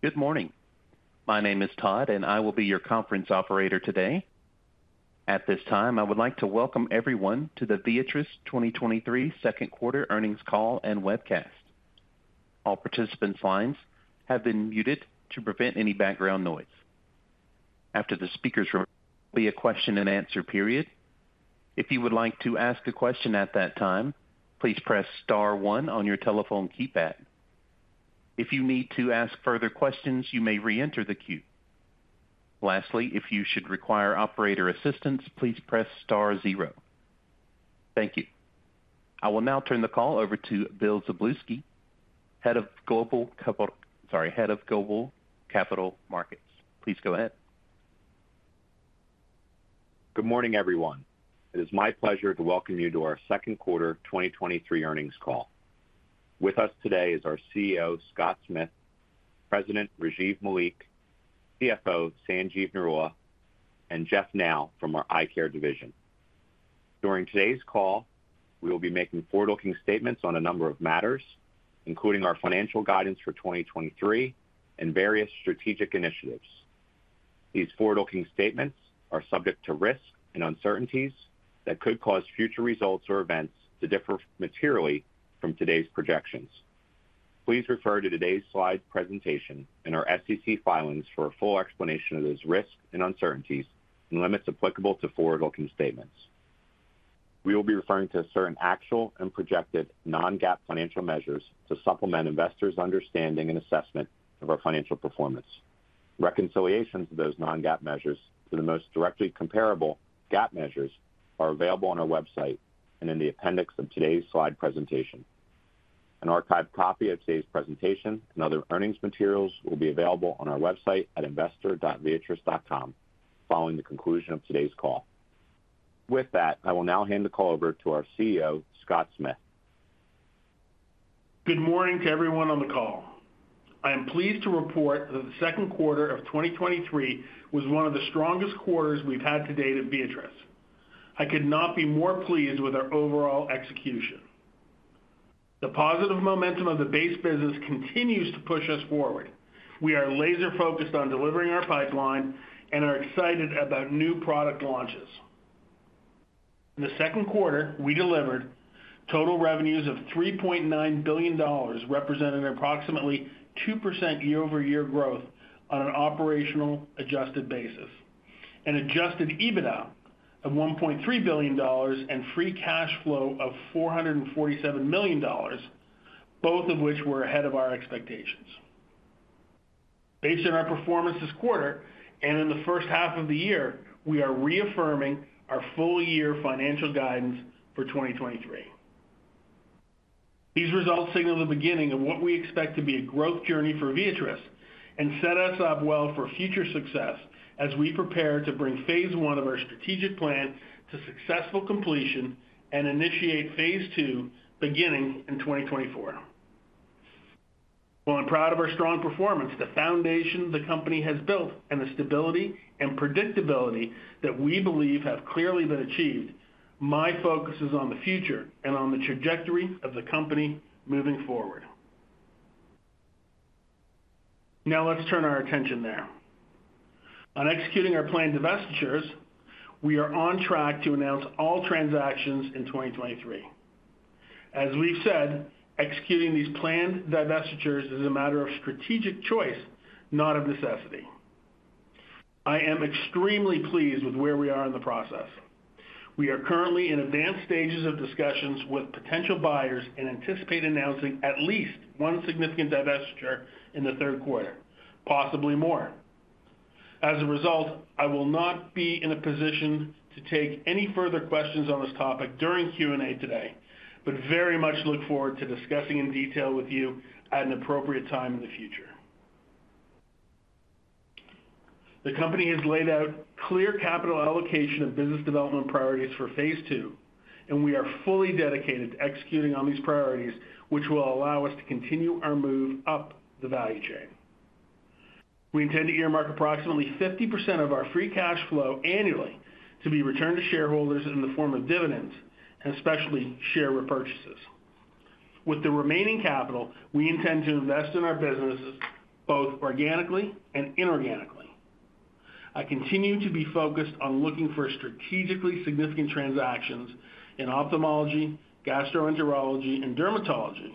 Good morning. My name is Todd, and I will be your conference operator today. At this time, I would like to welcome everyone to the Viatris 2023 2Q earnings call and webcast. All participants' lines have been muted to prevent any background noise. After the speakers, there will be a question-and-answer period. If you would like to ask a question at that time, please press star 1 on your telephone keypad. If you need to ask further questions, you may reenter the queue. Lastly, if you should require operator assistance, please press star 0. Thank you. I will now turn the call over to Bill Szablewski, Head of Global Capital-- sorry, Head of Global Capital Markets. Please go ahead. Good morning, everyone. It is my pleasure to welcome you to our second quarter 2023 earnings call. With us today is our CEO, Scott Smith, President, Rajiv Malik, CFO, Sanjeev Narula, and Jeff Nau from our Eye Care division. During today's call, we will be making forward-looking statements on a number of matters, including our financial guidance for 2023 and various strategic initiatives. These forward-looking statements are subject to risks and uncertainties that could cause future results or events to differ materially from today's projections. Please refer to today's slide presentation and our SEC filings for a full explanation of those risks and uncertainties and limits applicable to forward-looking statements. We will be referring to certain actual and projected non-GAAP financial measures to supplement investors' understanding and assessment of our financial performance. Reconciliations of those non-GAAP measures to the most directly comparable GAAP measures are available on our website and in the appendix of today's slide presentation. An archived copy of today's presentation and other earnings materials will be available on our website at investor.viatris.com following the conclusion of today's call. With that, I will now hand the call over to our CEO, Scott Smith. Good morning to everyone on the call. I am pleased to report that the second quarter of 2023 was one of the strongest quarters we've had to date at Viatris. I could not be more pleased with our overall execution. The positive momentum of the base business continues to push us forward. We are laser-focused on delivering our pipeline and are excited about new product launches. In the second quarter, we delivered total revenues of $3.9 billion, representing approximately 2% year-over-year growth on an operational adjusted basis, and Adjusted EBITDA of $1.3 billion and free cash flow of $447 million, both of which were ahead of our expectations. Based on our performance this quarter and in the first half of the year, we are reaffirming our full-year financial guidance for 2023. These results signal the beginning of what we expect to be a growth journey for Viatris and set us up well for future success as we prepare to bring phase one of our strategic plan to successful completion and initiate phase two beginning in 2024. While I'm proud of our strong performance, the foundation the company has built, and the stability and predictability that we believe have clearly been achieved, my focus is on the future and on the trajectory of the company moving forward. Now, let's turn our attention there. On executing our planned divestitures, we are on track to announce all transactions in 2023. As we've said, executing these planned divestitures is a matter of strategic choice, not of necessity. I am extremely pleased with where we are in the process. We are currently in advanced stages of discussions with potential buyers and anticipate announcing at least one significant divestiture in the third quarter, possibly more. As a result, I will not be in a position to take any further questions on this topic during Q&A today, but very much look forward to discussing in detail with you at an appropriate time in the future. The company has laid out clear capital allocation of business development priorities for phase two, and we are fully dedicated to executing on these priorities, which will allow us to continue our move up the value chain. We intend to earmark approximately 50% of our free cash flow annually to be returned to shareholders in the form of dividends and especially share repurchases. With the remaining capital, we intend to invest in our businesses both organically and inorganically. I continue to be focused on looking for strategically significant transactions in ophthalmology, gastroenterology, and dermatology,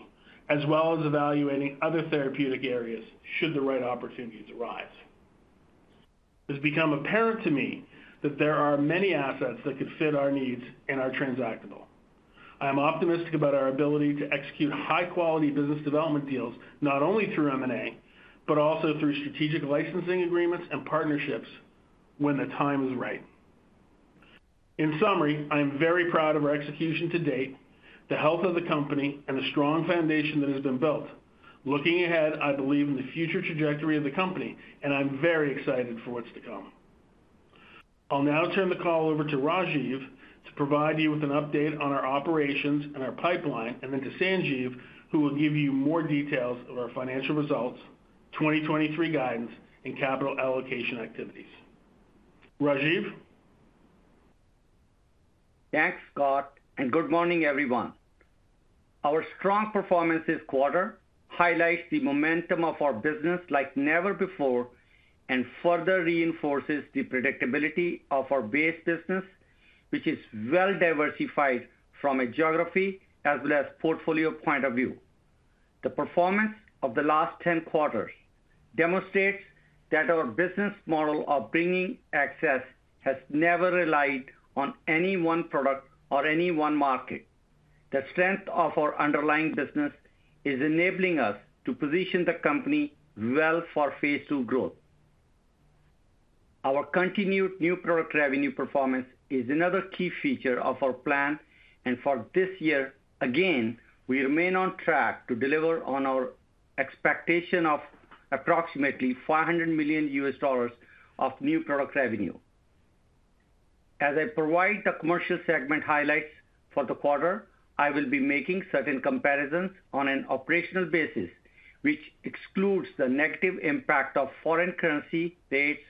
as well as evaluating other therapeutic areas should the right opportunities arise. It's become apparent to me that there are many assets that could fit our needs and are transactable. I am optimistic about our ability to execute high-quality business development deals, not only through M&A, but also through strategic licensing agreements and partnerships when the time is right. In summary, I am very proud of our execution to date, the health of the company, and the strong foundation that has been built. Looking ahead, I believe in the future trajectory of the company, and I'm very excited for what's to come. I'll now turn the call over to Rajiv to provide you with an update on our operations and our pipeline, and then to Sanjiv, who will give you more details of our financial results, 2023 guidance, and capital allocation activities. Rajiv?... Thanks, Scott, and good morning, everyone. Our strong performance this quarter highlights the momentum of our business like never before, and further reinforces the predictability of our base business, which is well-diversified from a geography as well as portfolio point of view. The performance of the last 10 quarters demonstrates that our business model of bringing access has never relied on any one product or any one market. The strength of our underlying business is enabling us to position the company well for phase two growth. Our continued new product revenue performance is another key feature of our plan, and for this year, again, we remain on track to deliver on our expectation of approximately $400 million of new products revenue. As I provide the commercial segment highlights for the quarter, I will be making certain comparisons on an operational basis, which excludes the negative impact of foreign currency rates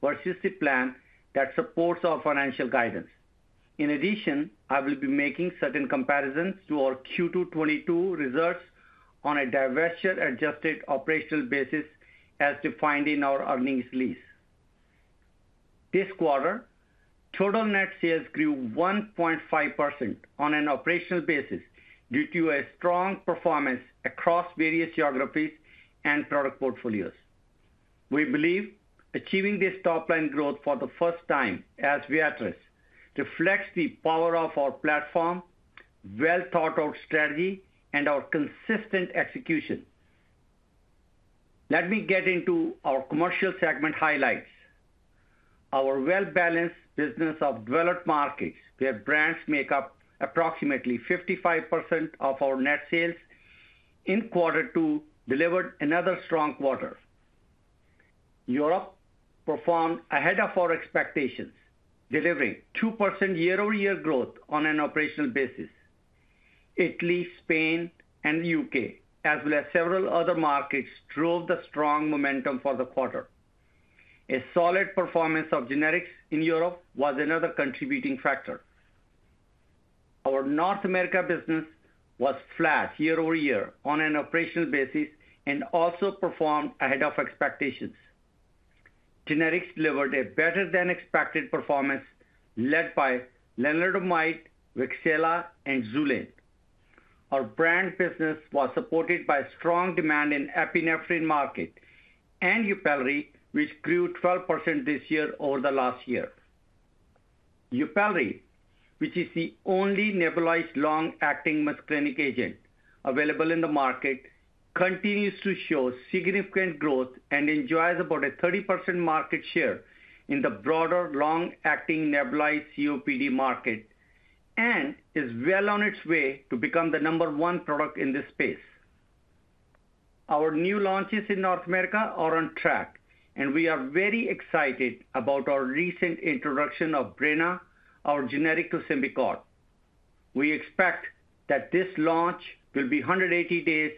versus the plan that supports our financial guidance. In addition, I will be making certain comparisons to our Q2 2022 results on a diversion-adjusted operational basis, as defined in our earnings release. This quarter, total net sales grew 1.5% on an operational basis due to a strong performance across various geographies and product portfolios. We believe achieving this top line growth for the first time as Viatris reflects the power of our platform, well-thought-out strategy, and our consistent execution. Let me get into our commercial segment highlights. Our well-balanced business of developed markets, where brands make up approximately 55% of our net sales, in Q2 delivered another strong quarter. Europe performed ahead of our expectations, delivering 2% year-over-year growth on an operational basis. Italy, Spain, and the UK, as well as several other markets, drove the strong momentum for the quarter. A solid performance of generics in Europe was another contributing factor. Our North America business was flat year-over-year on an operational basis, and also performed ahead of expectations. Generics delivered a better-than-expected performance, led by lenalidomide, Wixela, and Xulane. Our brand business was supported by strong demand in epinephrine market and Yupelri, which grew 12% this year over the last year. Yupelri, which is the only nebulized long-acting muscarinic agent available in the market, continues to show significant growth and enjoys about a 30% market share in the broader long-acting nebulized COPD market, and is well on its way to become the number one product in this space. Our new launches in North America are on track, and we are very excited about our recent introduction of Breyna, our generic to Symbicort. We expect that this launch will be 180 days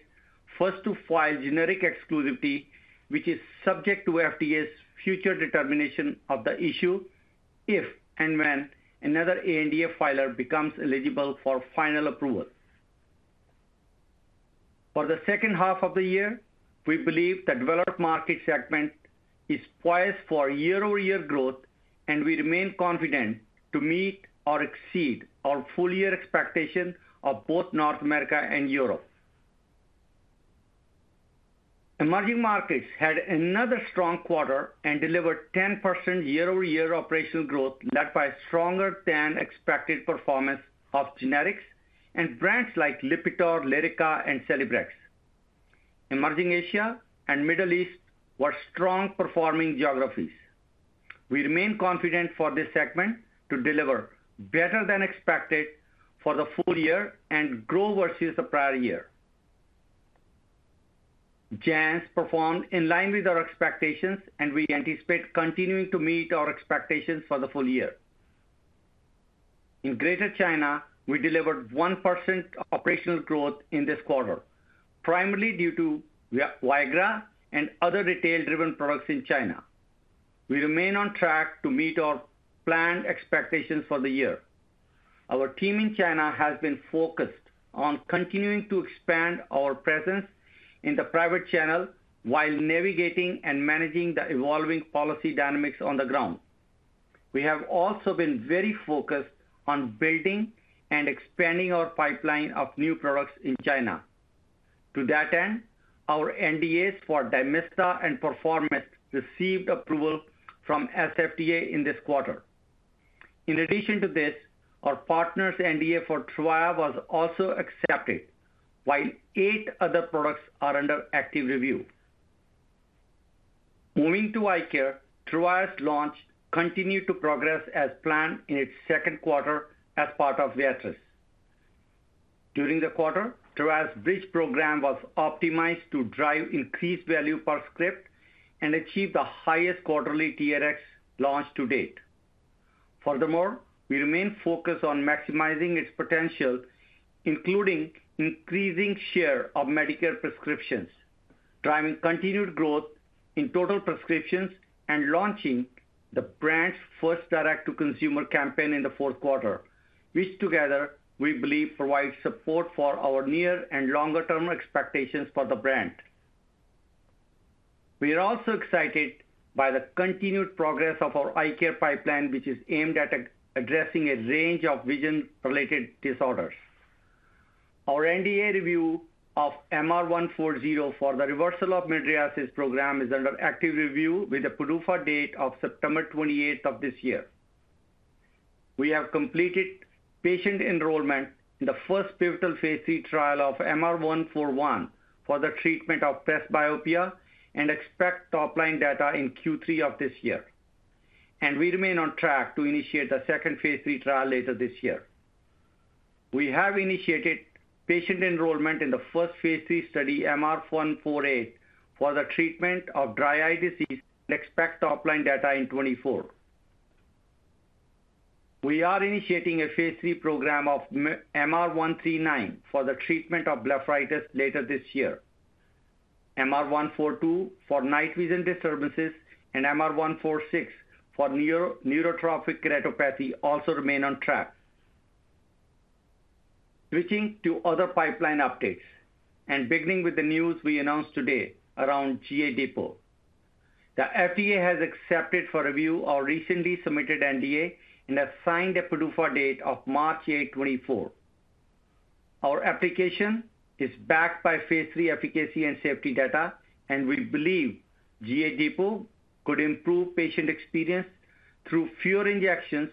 first-to-file generic exclusivity, which is subject to FDA's future determination of the issue, if and when another ANDA filer becomes eligible for final approval. For the second half of the year, we believe the developed market segment is poised for year-over-year growth, and we remain confident to meet or exceed our full year expectations of both North America and Europe. Emerging markets had another strong quarter and delivered 10% year-over-year operational growth, led by stronger-than-expected performance of generics and brands like Lipitor, Lyrica, and Celebrex. Emerging Asia and Middle East were strong-performing geographies. We remain confident for this segment to deliver better than expected for the full year and grow versus the prior year. JANZ performed in line with our expectations, and we anticipate continuing to meet our expectations for the full year. In Greater China, we delivered 1% operational growth in this quarter, primarily due to Viagra and other retail-driven products in China. We remain on track to meet our planned expectations for the year. Our team in China has been focused on continuing to expand our presence in the private channel while navigating and managing the evolving policy dynamics on the ground. We have also been very focused on building and expanding our pipeline of new products in China. To that end, our NDAs for Dymista and Performance received approval from SFDA in this quarter. In addition to this, our partner's NDA for Tyrvaya was also accepted, while 8 other products are under active review. Moving to Eye Care, Tyrvaya‘s launch continued to progress as planned in its 2Q as part of Viatris. During the quarter, Tyrvaya's bridge program was optimized to drive increased value per script and achieve the highest quarterly TRX launch to date. Furthermore, we remain focused on maximizing its potential, including increasing share of Medicare prescriptions, driving continued growth in total prescriptions and launching the brand's first direct-to-consumer campaign in the 4Q, which together, we believe provides support for our near and longer-term expectations for the brand. We are also excited by the continued progress of our eye care pipeline, which is aimed at addressing a range of vision-related disorders. Our NDA review of MR-140 for the reversal of mydriasis program is under active review with a PDUFA date of September 28th of this year. We have completed patient enrollment in the first pivotal phase 3 trial of MR-141 for the treatment of presbyopia, and expect top-line data in Q3 of this year. We remain on track to initiate a second phase 3 trial later this year. We have initiated patient enrollment in the first phase 3 study, MR-148, for the treatment of dry eye disease, and expect top-line data in 2024. We are initiating a phase 3 program of MR-139 for the treatment of blepharitis later this year. MR-142 for night vision disturbances and MR-146 for neurotrophic keratopathy also remain on track. Switching to other pipeline updates, and beginning with the news we announced today around GA Depot. The FDA has accepted for review our recently submitted NDA and assigned a PDUFA date of March 8, 2024. Our application is backed by phase 3 efficacy and safety data, and we believe GA Depot could improve patient experience through fewer injections,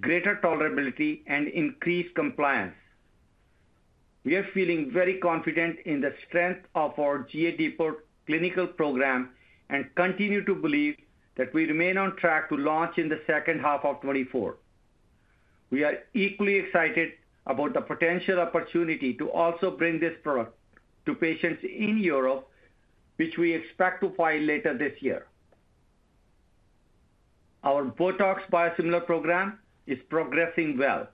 greater tolerability, and increased compliance. We are feeling very confident in the strength of our GA Depot clinical program, and continue to believe that we remain on track to launch in the second half of 2024. We are equally excited about the potential opportunity to also bring this product to patients in Europe, which we expect to file later this year. Our Botox biosimilar program is progressing well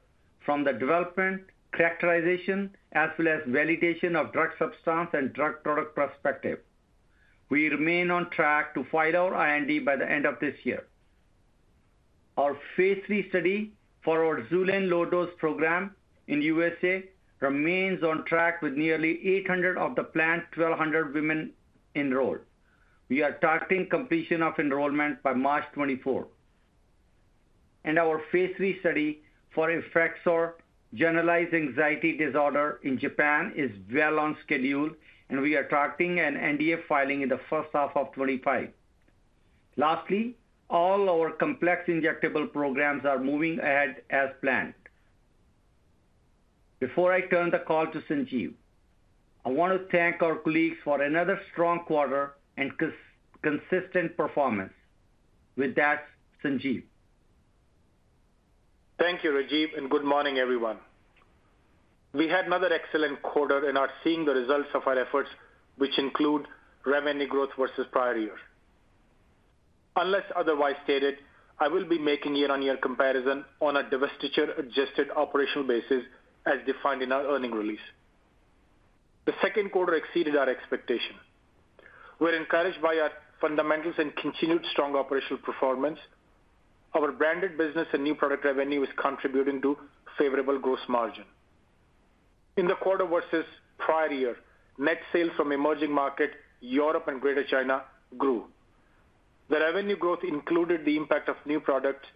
from the development, characterization, as well as validation of drug substance and drug product perspective. We remain on track to file our IND by the end of this year. Our phase 3 study for our Xulane low-dose program in U.S.A. remains on track with nearly 800 of the planned 1,200 women enrolled. We are targeting completion of enrollment by March 2024. Our phase 3 study for Effexor generalized anxiety disorder in Japan is well on schedule, and we are targeting an NDA filing in the first half of 2025. Lastly, all our complex injectable programs are moving ahead as planned. Before I turn the call to Sanjiv, I want to thank our colleagues for another strong quarter and consistent performance. With that, Sanjiv. Thank you, Rajeev. Good morning, everyone. We had another excellent quarter in our seeing the results of our efforts, which include revenue growth versus prior year. Unless otherwise stated, I will be making year-on-year comparison on a divestiture-adjusted operational basis, as defined in our earnings release. The second quarter exceeded our expectation. We're encouraged by our fundamentals and continued strong operational performance. Our branded business and new product revenue is contributing to favorable gross margin. In the quarter versus prior year, net sales from emerging market, Europe and Greater China grew. The revenue growth included the impact of new product.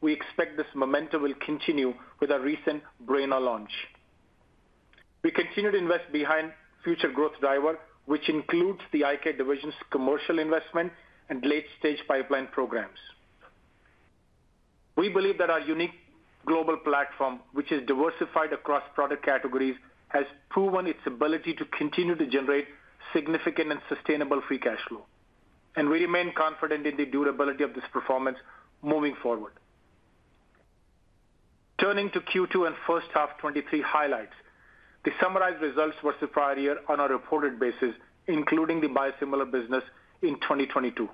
We expect this momentum will continue with our recent Breyna launch. We continue to invest behind future growth driver, which includes the Eye Care Division's commercial investment and late-stage pipeline programs. We believe that our unique global platform, which is diversified across product categories, has proven its ability to continue to generate significant and sustainable free cash flow, and we remain confident in the durability of this performance moving forward. Turning to Q2 and first half 2023 highlights. The summarized results versus the prior year on a reported basis, including the biosimilar business in 2022.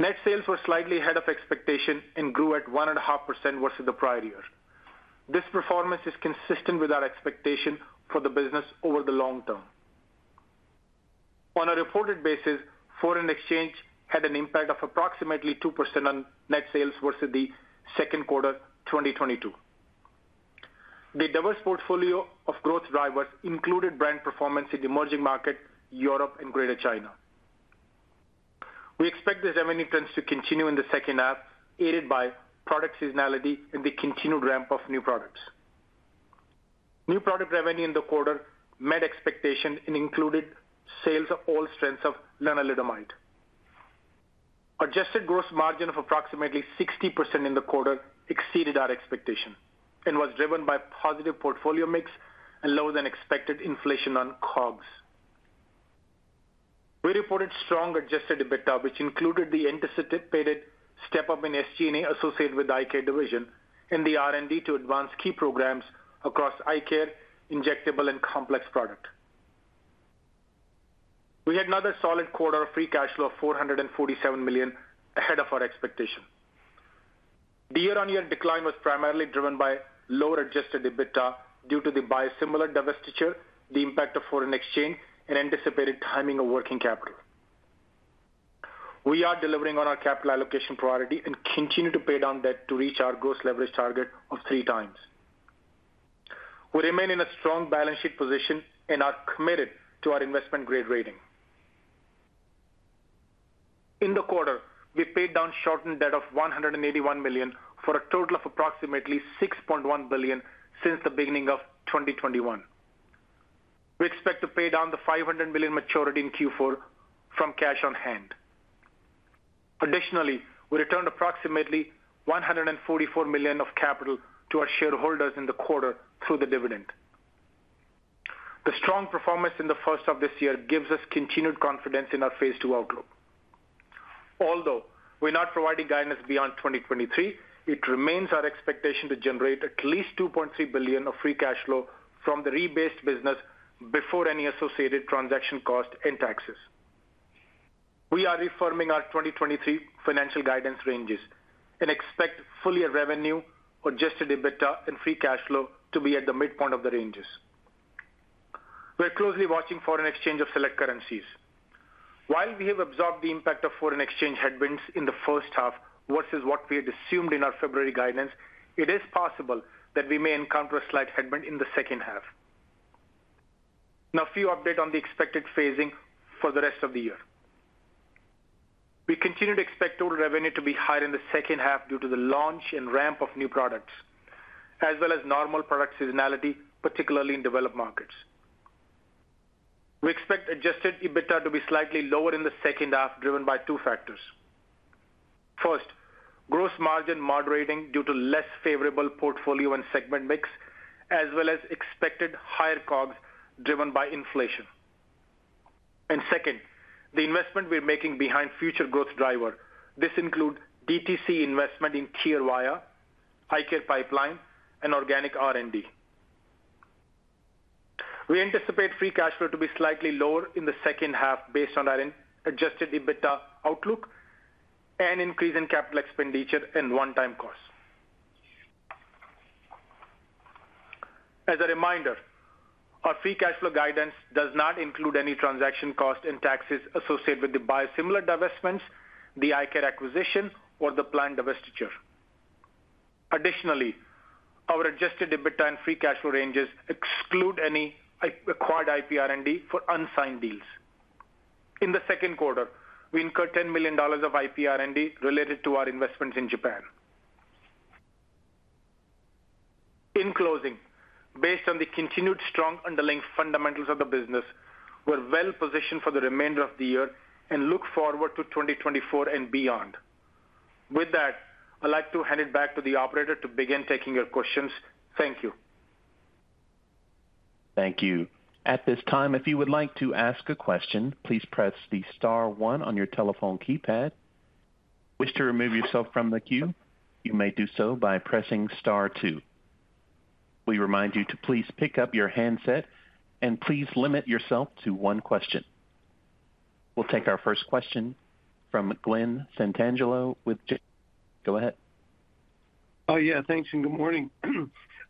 Net sales were slightly ahead of expectation and grew at 1.5% versus the prior year. This performance is consistent with our expectation for the business over the long term. On a reported basis, foreign exchange had an impact of approximately 2% on net sales versus the second quarter 2022. The diverse portfolio of growth drivers included brand performance in the emerging market, Europe and Greater China. We expect this evidence to continue in the second half, aided by product seasonality and the continued ramp of new products. New product revenue in the quarter met expectation and included sales of all strengths of lenalidomide. Adjusted gross margin of approximately 60% in the quarter exceeded our expectation and was driven by positive portfolio mix and lower than expected inflation on COGS. We reported strong adjusted EBITDA, which included the anticipated step-up in SG&A associated with the Eye Care Division and the R&D to advance key programs across eye care, injectable, and complex product. We had another solid quarter of free cash flow of $447 million ahead of our expectation. The year-on-year decline was primarily driven by lower adjusted EBITDA due to the biosimilar divestiture, the impact of foreign exchange, and anticipated timing of working capital. We are delivering on our capital allocation priority and continue to pay down debt to reach our gross leverage target of 3x. We remain in a strong balance sheet position and are committed to our investment-grade rating. In the quarter, we paid down short-term debt of $181 million, for a total of approximately $6.1 billion since the beginning of 2021. We expect to pay down the $500 million maturity in Q4 from cash on hand. Additionally, we returned approximately $144 million of capital to our shareholders in the quarter through the dividend. The strong performance in the first half of this year gives us continued confidence in our Phase 2 outlook. Although we're not providing guidance beyond 2023, it remains our expectation to generate at least $2.3 billion of free cash flow from the rebased business before any associated transaction cost and taxes. We are reforming our 2023 financial guidance ranges and expect full year revenue or Adjusted EBITDA and free cash flow to be at the midpoint of the ranges. We're closely watching foreign exchange of select currencies. While we have absorbed the impact of foreign exchange headwinds in the first half versus what we had assumed in our February guidance, it is possible that we may encounter a slight headwind in the second half. Now, a few update on the expected phasing for the rest of the year. We continue to expect total revenue to be higher in the second half due to the launch and ramp of new products, as well as normal product seasonality, particularly in developed markets. We expect Adjusted EBITDA to be slightly lower in the second half, driven by two factors. First, gross margin moderating due to less favorable portfolio and segment mix, as well as expected higher COGS driven by inflation. Second, the investment we're making behind future growth driver. This include DTC investment in Tyrvaya, iCare pipeline, and organic R&D. We anticipate free cash flow to be slightly lower in the second half based on our Adjusted EBITDA outlook and increase in capital expenditure and one-time costs. As a reminder, our free cash flow guidance does not include any transaction costs and taxes associated with the biosimilar divestments, the iCare acquisition, or the planned divestiture. Additionally, our adjusted EBITDA and free cash flow ranges exclude any acquired IPR&D for unsigned deals. In the second quarter, we incurred $10 million of IPR&D related to our investments in Japan. In closing, based on the continued strong underlying fundamentals of the business, we're well positioned for the remainder of the year and look forward to 2024 and beyond. With that, I'd like to hand it back to the operator to begin taking your questions. Thank you. Thank you. At this time, if you would like to ask a question, please press the star one on your telephone keypad. Wish to remove yourself from the queue, you may do so by pressing star two. We remind you to please pick up your handset and please limit yourself to one question. We'll take our first question from Glen Santangelo with Go ahead. Oh, yeah, thanks, and good morning.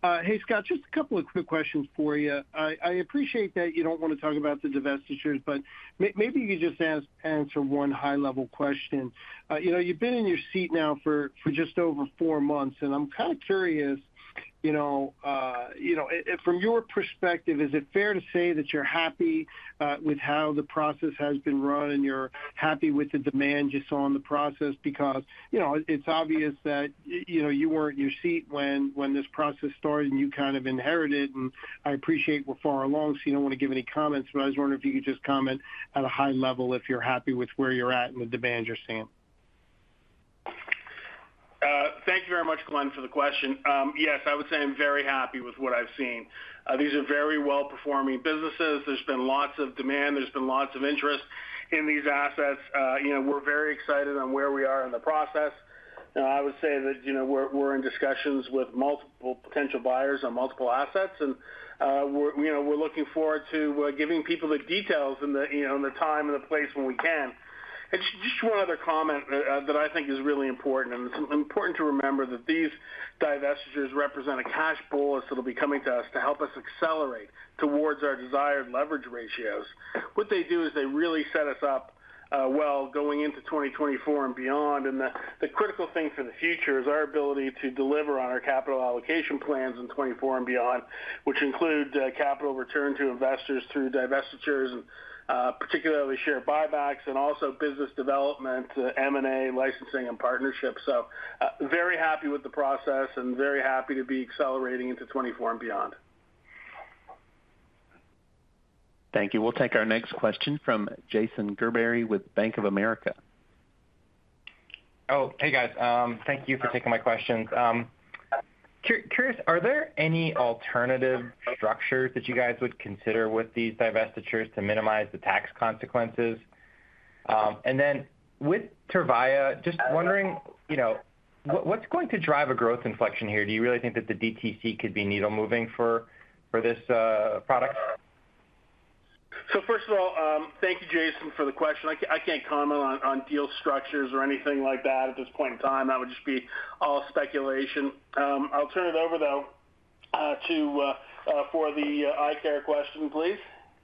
Hey, Scott, just a couple of quick questions for you. I appreciate that you don't want to talk about the divestitures, but maybe you could just answer one high-level question. You know, you've been in your seat now for just over four months, and I'm kind of curious, you know, and from your perspective, is it fair to say that you're happy with how the process has been run, and you're happy with the demand you saw in the process? Because, you know, it's obvious that, you know, you weren't in your seat when, when this process started, and you kind of inherited it. I appreciate we're far along, so you don't want to give any comments, but I was wondering if you could just comment at a high level, if you're happy with where you're at and the demand you're seeing? Thank you very much, Glen, for the question. Yes, I would say I'm very happy with what I've seen. These are very well-performing businesses. There's been lots of demand, there's been lots of interest in these assets. We're very excited on where we are in the process. I would say that, you know, we're, we're in discussions with multiple potential buyers on multiple assets, and we're looking forward to giving people the details and the, you know, and the time and the place when we can. Just one other comment that I think is really important, and it's important to remember that these divestitures represent a cash bolus that'll be coming to us to help us accelerate towards our desired leverage ratios. What they do is they really set us up, well, going into 2024 and beyond. The critical thing for the future is our ability to deliver on our capital allocation plans in 2024 and beyond, which include, capital return to investors through divestitures and, particularly share buybacks and also business development, M&A, licensing, and partnerships. Very happy with the process and very happy to be accelerating into 2024 and beyond. Thank you. We'll take our next question from Jason Gerbery with Bank of America. Oh, hey, guys. Thank you for taking my questions. Curious, are there any alternative structures that you guys would consider with these divestitures to minimize the tax consequences? And then with Tyrvaya, just wondering, you know, what's going to drive a growth inflection here? Do you really think that the DTC could be needle-moving for this product? first of all, thank you, Jason, for the question. I can't comment on, on deal structures or anything like that at this point in time. That would just be all speculation. I'll turn it over, though, to for the eye care question, please.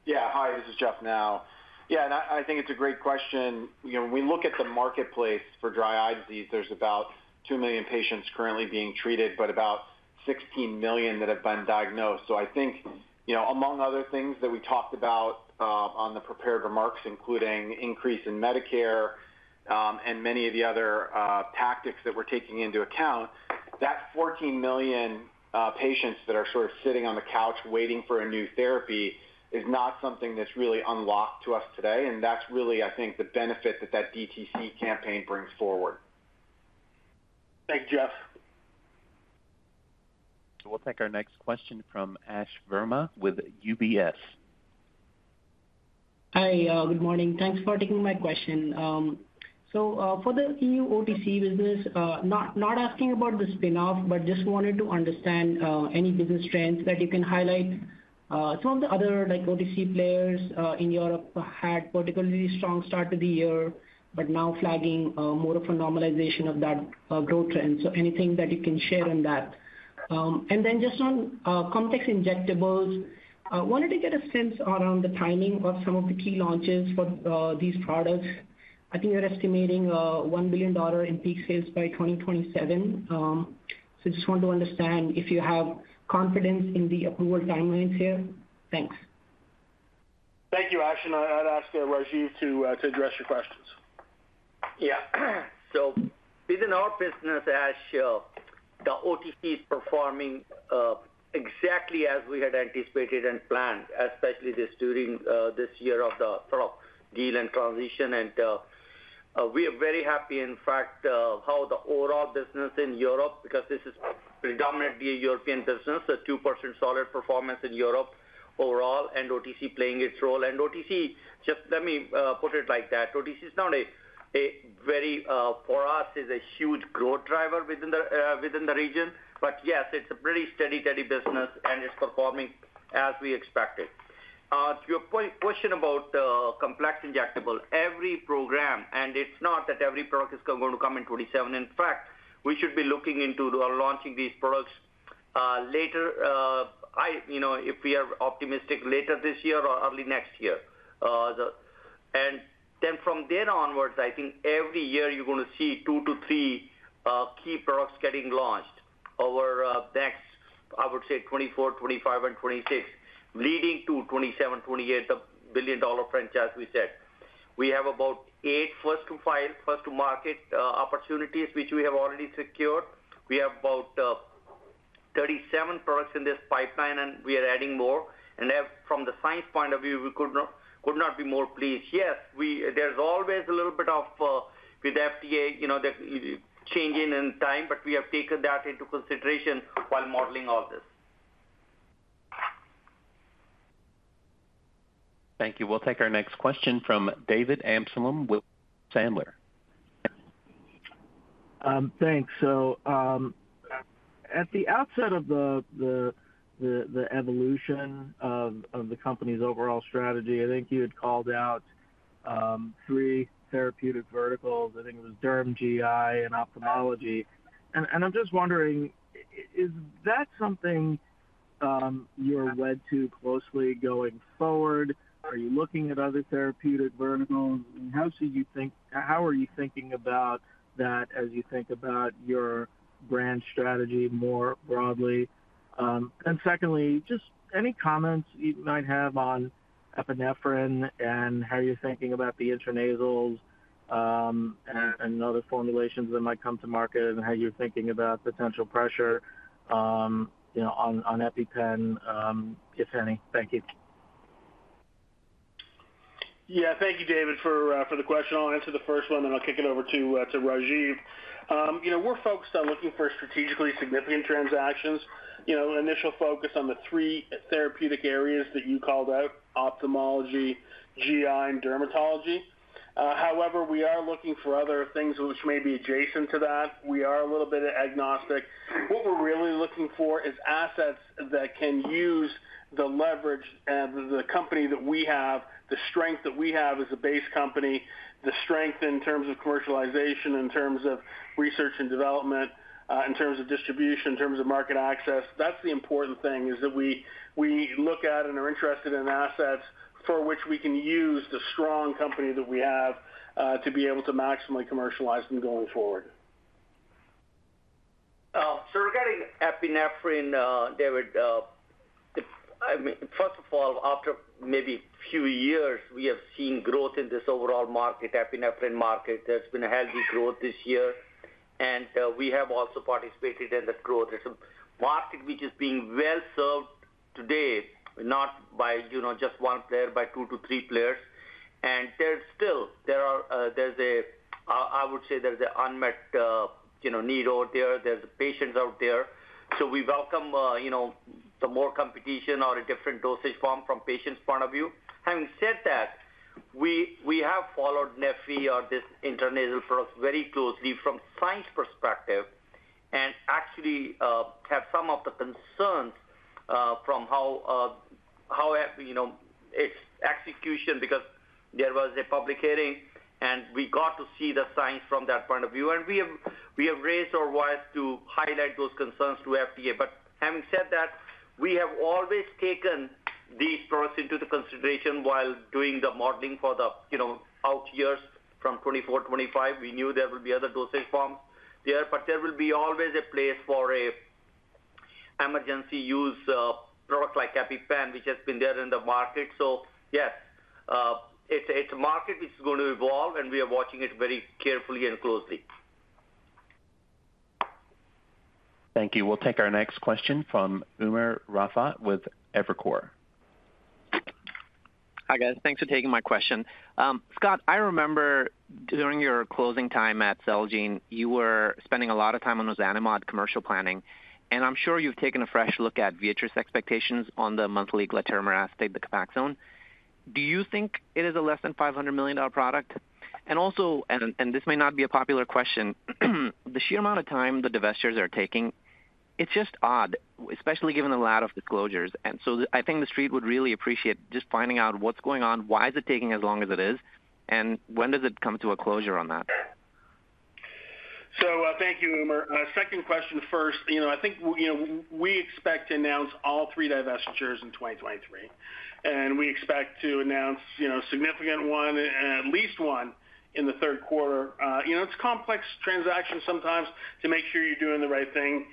Yeah. Hi, this is Jeff Nau. Yeah, I think it's a great question. You know, when we look at the marketplace for dry eye disease, there's about 2 million patients currently being treated, but about 16 million that have been diagnosed. I think, you know, among other things that we talked about on the prepared remarks, including increase in Medicare, and many of the other tactics that we're taking into account, that 14 million patients that are sort of sitting on the couch waiting for a new therapy is not something that's really unlocked to us today. That's really, I think, the benefit that that DTC campaign brings forward. Thanks, Jeff. We'll take our next question from Ashwani Verma with UBS. Hi, good morning. Thanks for taking my question. For the new OTC business, not, not asking about the spin-off, but just wanted to understand any business trends that you can highlight. Some of the other, like, OTC players, in Europe had particularly strong start to the year, but now flagging more of a normalization of that growth trend. Anything that you can share on that? Then just on complex injectables, wanted to get a sense around the timing of some of the key launches for these products. I think you're estimating $1 billion in peak sales by 2027. Just want to understand if you have confidence in the approval timelines here. Thanks. Thank you, Ash. I'd ask Rajiv to address your questions. Yeah. So within our business, Ash, the OTC is performing exactly as we had anticipated and planned, especially this during this year of the sort of deal and transition. We are very happy, in fact, how the overall business in Europe, because this is predominantly a European business, a 2% solid performance in Europe overall, and OTC playing its role. OTC, just let me put it like that: OTC is not a, a very, for us, is a huge growth driver within the within the region. Yes, it's a pretty steady, steady business, and it's performing as we expected. To your point, question about complex injectable, every program, and it's not that every product is going to come in 2027. In fact, we should be looking into or launching these products, later, I... You know, if we are optimistic, later this year or early next year. From then onwards, I think every year you're going to see 2 to 3 key products getting launched over next, I would say 2024, 2025 and 2026, leading to 2027, 2028, a billion-dollar franchise, we said. We have about 8 first to five, first to market opportunities, which we have already secured. We have about 37 products in this pipeline, and we are adding more. From the science point of view, we could not, could not be more pleased. Yes, there's always a little bit of with FDA, you know, the changing in time, but we have taken that into consideration while modeling all this. Thank you. We'll take our next question from David Amsellem with Sandler. Thanks. At the outset of the evolution of the company's overall strategy, I think you had called out three therapeutic verticals. I think it was Derm, GI, and Ophthalmology. And I'm just wondering, is that something you're led to closely going forward? Are you looking at other therapeutic verticals, and how are you thinking about that as you think about your brand strategy more broadly? And secondly, just any comments you might have on epinephrine and how you're thinking about the intranasals, and other formulations that might come to market, and how you're thinking about potential pressure, you know, on EpiPen, if any? Thank you. Yeah. Thank you, David, for for the question. I'll answer the first one, then I'll kick it over to to Rajiv. You know, we're focused on looking for strategically significant transactions. You know, initial focus on the 3 therapeutic areas that you called out, ophthalmology, GI, and dermatology. However, we are looking for other things which may be adjacent to that. We are a little bit agnostic. What we're really looking for is assets that can use the leverage and the company that we have, the strength that we have as a base company, the strength in terms of commercialization, in terms of research and development, in terms of distribution, in terms of market access. That's the important thing, is that we, we look at and are interested in assets for which we can use the strong company that we have, to be able to maximally commercialize them going forward. Regarding epinephrine, David, I mean, first of all, after maybe a few years, we have seen growth in this overall market, epinephrine market. There's been a healthy growth this year, and we have also participated in the growth. It's a market which is being well served today, not by, you know, just one player, by two to three players. There's still, there are, there's a, I would say there's an unmet, you know, need out there. There's patients out there. We welcome, you know, the more competition or a different dosage form from patients' point of view. Having said that, we, we have followed neffy or this intranasal product very closely from science perspective. actually, have some of the concerns from how, how, you know, its execution, because there was a public hearing, and we got to see the science from that point of view. We have, we have raised our voice to highlight those concerns to FDA. Having said that, we have always taken these products into the consideration while doing the modeling for the, you know, out years from 2024, 2025. We knew there would be other dosage forms there, but there will be always a place for a emergency use product like EpiPen, which has been there in the market. Yes, it's, it's a market which is going to evolve, and we are watching it very carefully and closely. Thank you. We'll take our next question from Umer Raffat with Evercore. Hi, guys. Thanks for taking my question. Scott, I remember during your closing time at Celgene, you were spending a lot of time on those ozanimod commercial planning, and I'm sure you've taken a fresh look at Viatris expectations on the monthly glatiramer acetate, the Copaxone. Do you think it is a less than $500 million product? Also, and this may not be a popular question, the sheer amount of time the divestitures are taking, it's just odd, especially given the lack of disclosures. I think the street would really appreciate just finding out what's going on, why is it taking as long as it is, and when does it come to a closure on that? Thank you, Umer. Second question first. You know, I think, you know, we expect to announce all 3 divestitures in 2023, and we expect to announce, you know, a significant one and at least one in the third quarter. You know, it's complex transactions sometimes to make sure you're doing the right thing,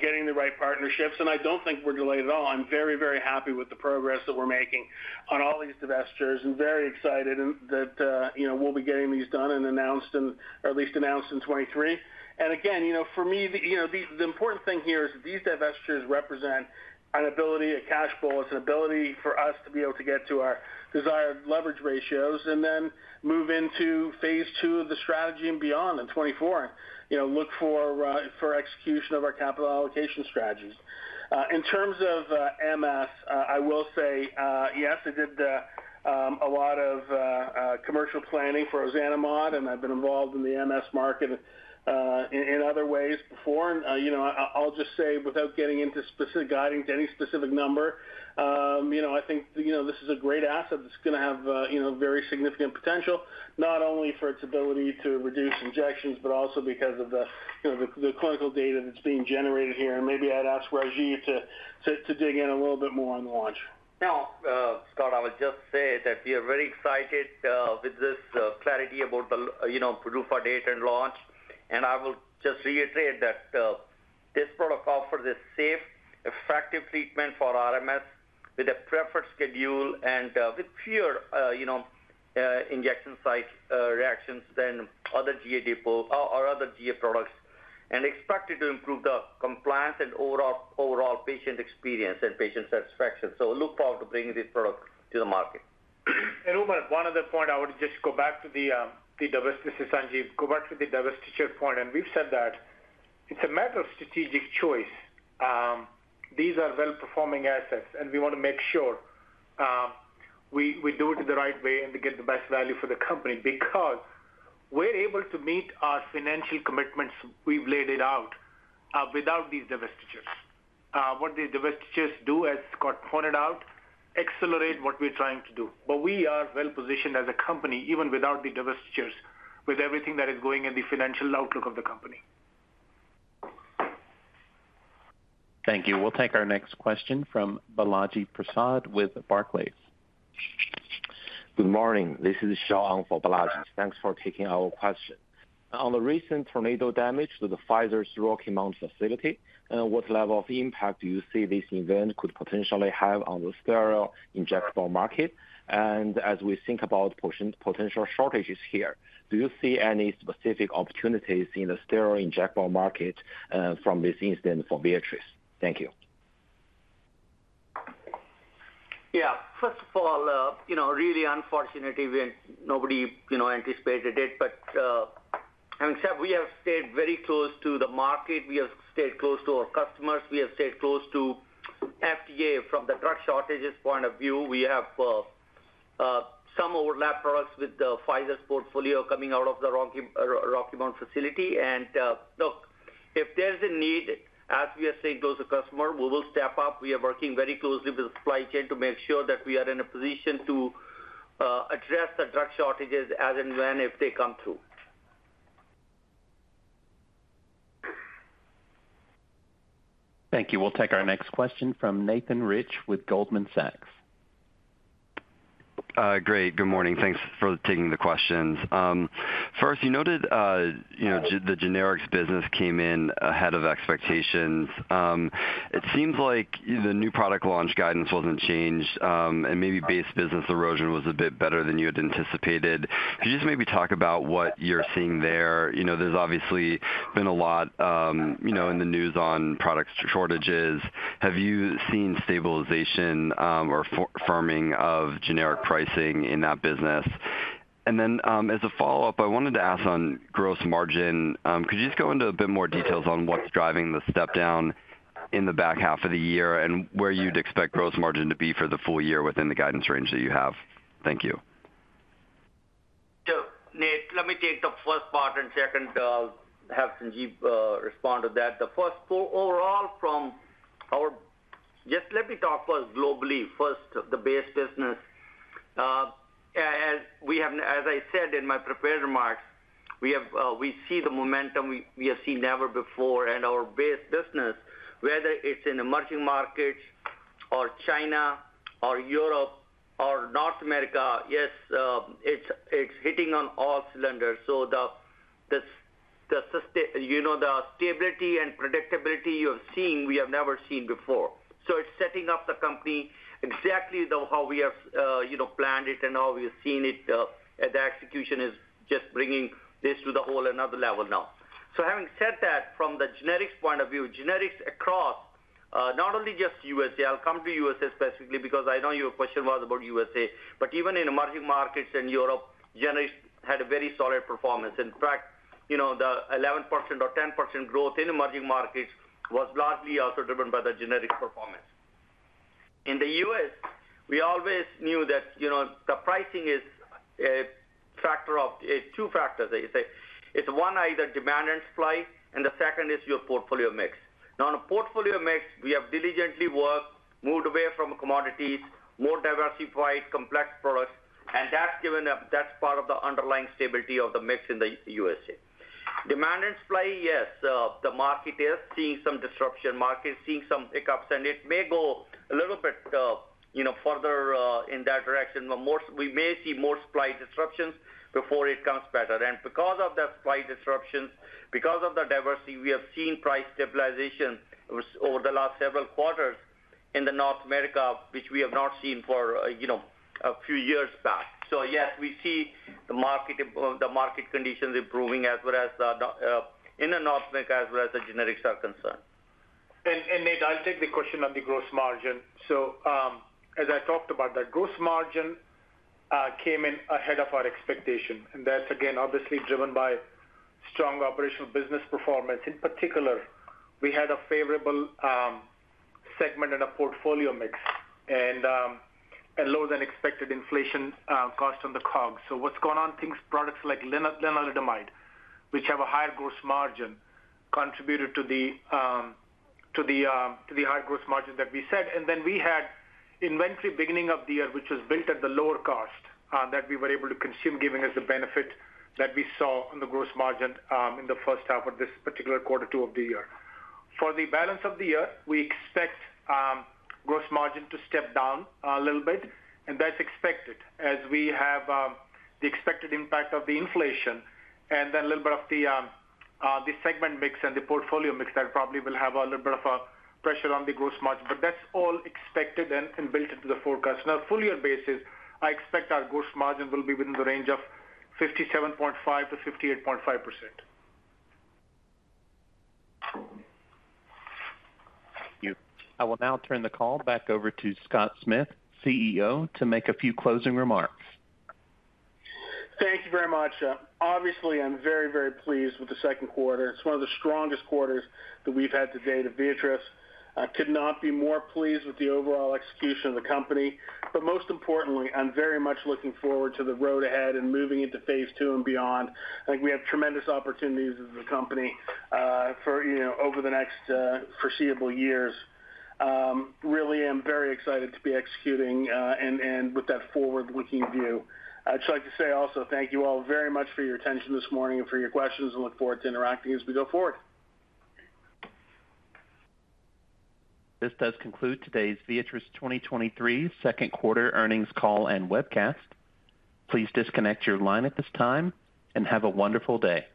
getting the right partnerships, and I don't think we're delayed at all. I'm very, very happy with the progress that we're making on all these divestitures and very excited and that, you know, we'll be getting these done and announced or at least announced in 2023. Again, you know, for me, the, you know, the, the important thing here is these divestitures represent an ability, a cash flow. It's an ability for us to be able to get to our desired leverage ratios and then move into Phase 2 of the strategy and beyond in 2024. You know, look for execution of our capital allocation strategies. In terms of MS, I will say, yes, I did a lot of commercial planning for Ozanimod, and I've been involved in the MS market in other ways before. You know, I, I'll just say, without getting into specific guiding to any specific number, you know, I think, you know, this is a great asset that's going to have, you know, very significant potential, not only for its ability to reduce injections, but also because of the, you know, the, the clinical data that's being generated here. Maybe I'd ask Rajiv to dig in a little bit more on the launch. Scott, I would just say that we are very excited with this clarity about the, you know, PDUFA date and launch. I will just reiterate that this protocol for this safe, effective treatment for RMS with a preferred schedule and with fewer, you know, injection site reactions than other GA depot or other GA products, and expected to improve the compliance and overall, overall patient experience and patient satisfaction. Look forward to bringing this product to the market. Umer, one other point. This is Sanjiv. Go back to the divestiture point. We've said that it's a matter of strategic choice. These are well-performing assets, we want to make sure, we do it the right way and to get the best value for the company, because we're able to meet our financial commitments, we've laid it out without these divestitures. What the divestitures do, as Scott pointed out, accelerate what we're trying to do. We are well positioned as a company, even without the divestitures, with everything that is going in the financial outlook of the company. Thank you. We'll take our next question from Balaji Prasad with Barclays. Good morning. This is Shawn for Balaji. Thanks for taking our question. On the recent tornado damage to the Pfizer's Rocky Mount facility, what level of impact do you see this event could potentially have on the sterile injectable market? As we think about potential shortages here, do you see any specific opportunities in the sterile injectable market, from this incident for Viatris? Thank you. Yeah. First of all, you know, really unfortunate event. Nobody, you know, anticipated it, but, having said, we have stayed very close to the market. We have stayed close to our customers. We have stayed close to FDA from the drug shortages point of view. We have some overlap products with the Pfizer's portfolio coming out of the Rocky Mount facility. Look, if there's a need, as we are saying to the customer, we will step up. We are working very closely with the supply chain to make sure that we are in a position to address the drug shortages as and when, if they come through. Thank you. We'll take our next question from Nathan Rich with Goldman Sachs. Great. Good morning. Thanks for taking the questions. First, you noted, you know, the generics business came in ahead of expectations. It seems like the new product launch guidance wasn't changed, and maybe base business erosion was a bit better than you had anticipated. Could you just maybe talk about what you're seeing there? You know, there's obviously been a lot, you know, in the news on product shortages. Have you seen stabilization, or firming of generic pricing in that business? Then, as a follow-up, I wanted to ask on gross margin. Could you just go into a bit more details on what's driving the step down in the back half of the year and where you'd expect gross margin to be for the full year within the guidance range that you have? Thank you. Nate, let me take the first part, and second, have Sanjiv respond to that. The first, just let me talk first globally, first, the base business. As we have, as I said in my prepared remarks, we have, we see the momentum we, we have seen never before. Our base business, whether it's in emerging markets or China or Europe or North America, yes, it's, it's hitting on all cylinders. The you know, the stability and predictability you're seeing, we have never seen before. It's setting up the company exactly the, how we have, you know, planned it and how we have seen it, and the execution is just bringing this to the whole another level now. Having said that, from the generics point of view, generics across, not only just USA, I'll come to USA specifically because I know your question was about USA. Even in emerging markets and Europe, generics had a very solid performance. In fact, you know, the 11% or 10% growth in emerging markets was largely also driven by the generic performance. In the U.S., we always knew that, you know, the pricing is a factor of 2 factors, I should say. It's 1, either demand and supply, and the 2nd is your portfolio mix. Now, on a portfolio mix, we have diligently worked, moved away from commodities, more diversified, complex products, and that's given that's part of the underlying stability of the mix in the USA. Demand and supply, yes, the market is seeing some disruption. Market is seeing some hiccups, and it may go a little bit, you know, further in that direction. We may see more supply disruptions before it comes better. Because of that supply disruptions, because of the diversity, we have seen price stabilization over, over the last several quarters in the North America, which we have not seen for, you know, a few years back. Yes, we see the market, the market conditions improving as well as the in the North America, as well as the generics are concerned. Nate, I'll take the question on the gross margin. As I talked about, the gross margin came in ahead of our expectation, and that's again, obviously driven by strong operational business performance. In particular, we had a favorable segment in a portfolio mix and a lower than expected inflation cost on the COGS. What's going on? Things, products like lenalidomide, which have a higher gross margin, contributed to the to the to the high gross margin that we set. Then we had inventory beginning of the year, which was built at the lower cost that we were able to consume, giving us the benefit that we saw on the gross margin in the first half of this particular quarter two of the year. For the balance of the year, we expect gross margin to step down a little bit, and that's expected as we have the expected impact of the inflation and then a little bit of the segment mix and the portfolio mix that probably will have a little bit of a pressure on the gross margin. That's all expected and built into the forecast. Full year basis, I expect our gross margin will be within the range of 57.5%-58.5%. Thank you. I will now turn the call back over to Scott Smith, CEO, to make a few closing remarks. Thank you very much. Obviously, I'm very, very pleased with the second quarter. It's one of the strongest quarters that we've had to date at Viatris. I could not be more pleased with the overall execution of the company. Most importantly, I'm very much looking forward to the road ahead and moving into Phase 2 and beyond. I think we have tremendous opportunities as a company, for, you know, over the next foreseeable years. Really am very excited to be executing, and, and with that forward-looking view. I'd just like to say also thank you all very much for your attention this morning and for your questions, and look forward to interacting as we go forward. This does conclude today's Viatris 2023 second quarter earnings call and webcast. Please disconnect your line at this time, and have a wonderful day!